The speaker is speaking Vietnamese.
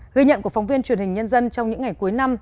ghi nhận của phóng viên truyền hình nhân dân trong những ngày cuối năm